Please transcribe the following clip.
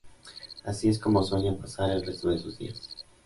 Así es como sueñan pasar el resto de sus días.